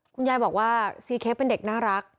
คุณยายบอกว่าซีเค้กเป็นเด็กน่ารัก